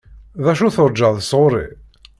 D acu turǧaḍ sɣuṛ-i?